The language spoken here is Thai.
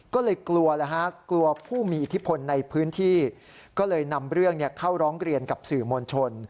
ก็เลยกลัวแล้วฮะกลัวผู้มีอิทธิพลในพื้นที่ก็เลยนำเรื่องเข้าร้องเรียนกับสื่อมวลชน